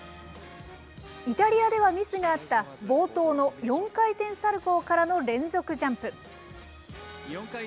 イタリアではミスがあった、冒頭の４回転サルコーからの連続ジャンプ。